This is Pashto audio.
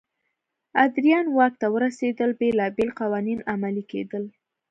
ادریان واک ته ورسېدل بېلابېل قوانین عملي کېدل.